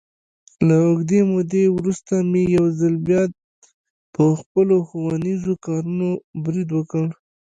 له اوږدې مودې ورسته مې یو ځل بیا، په خپلو ښوونیزو کارونو برید وکړ.